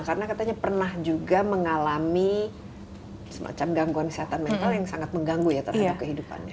karena katanya pernah juga mengalami semacam gangguan kesehatan mental yang sangat mengganggu ya terhadap kehidupannya